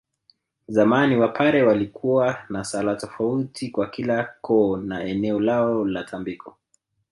Zamani Wapare walikuwa na sala tofauti kwa kila koo na eneo lao la tambiko